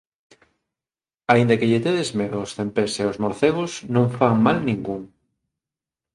Aínda que lles tedes medo os cempés e os morcegos non fan mal ningún.